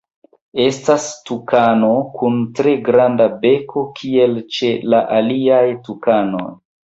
Estas tukano kun tre granda beko kiel ĉe la aliaj tukanoj.